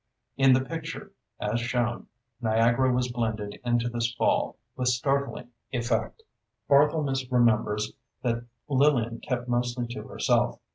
In the picture, as shown, Niagara was blended into this fall, with startling effect. Barthelmess remembers that Lillian kept mostly to herself.